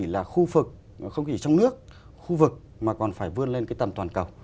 là khu vực không chỉ trong nước khu vực mà còn phải vươn lên cái tầm toàn cầu